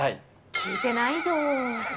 聞いてないよー。